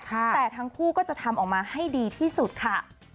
แต่ทั้งคู่ก็จะทำออกมาให้ดีที่สุดค่ะ